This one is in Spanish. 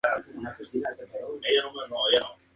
Todo un ejemplo de desarrollo sostenible.